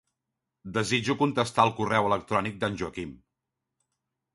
Desitjo contestar al correu electrònic d'en Joaquim.